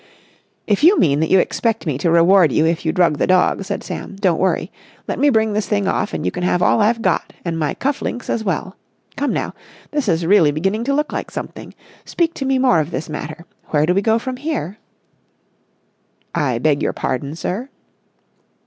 "If you mean that you expect me to reward you if you drug the dog," said Sam, "don't worry. Let me bring this thing off, and you can have all I've got, and my cuff links as well. Come now, this is really beginning to look like something. Speak to me more of this matter. Where do we go from here?" "I beg your pardon, sir?"